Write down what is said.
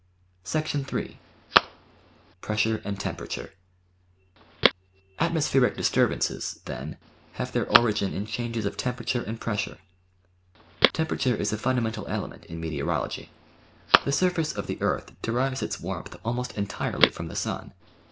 3 Pressure and Temperature Atmospheric disturbances, then, have their origin in changes of temperature and pressure. Temperature is a fundamental element in Meteorology. The surface of the earth derives its warmth almost entirely from the sun.